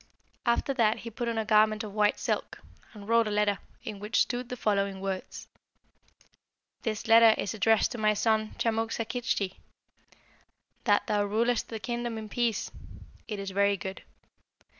After that he put on a garment of white silk, and wrote a letter, in which stood the following words: "'This letter is addressed to my son Chamuk Sakiktschi. That thou rulest the kingdom in peace; it is very good.